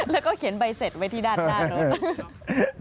แล้วก็เขียนใบเสร็จไว้ที่ด้านหน้ารถ